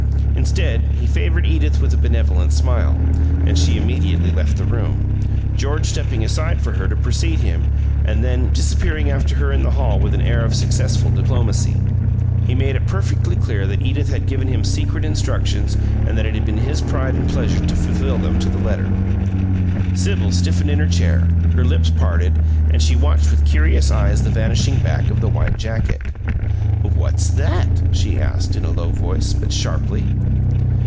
Instead, he favored Edith with a benevolent smile, and she immediately left the room, George stepping aside for her to precede him, and then disappearing after her in the hall with an air of successful diplomacy. He made it perfectly clear that Edith had given him secret instructions and that it had been his pride and pleasure to fulfil them to the letter. Sibyl stiffened in her chair; her lips parted, and she watched with curious eyes the vanishing back of the white jacket. "What's that?" she asked, in a low voice, but sharply.